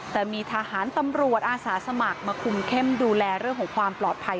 แต่มีทหารตำรวจอาสาสมัครมาคุมเข้มดูแลเรื่องของความปลอดภัย